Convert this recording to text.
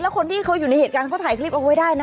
คนที่เขาอยู่ในเหตุการณ์เขาถ่ายคลิปเอาไว้ได้นะ